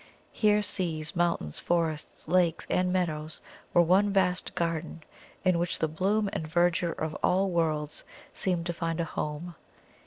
Here seas, mountains, forests, lakes, and meadows were one vast garden, in which the bloom and verdure of all worlds seemed to find a home.